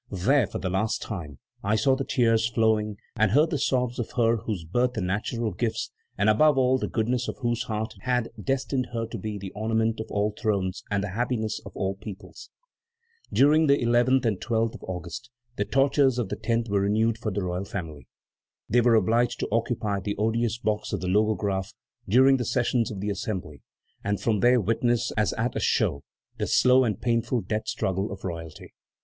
There, for the last time, I saw the tears flowing and heard the sobs of her whose birth and natural gifts, and above all the goodness of whose heart had destined her to be the ornament of all thrones and the happiness of all peoples." During the 11th and 12th of August the tortures of the 10th were renewed for the royal family. They were obliged to occupy the odious box of the Logographe during the sessions of the Assembly, and from there witness, as at a show, the slow and painful death struggle of royalty.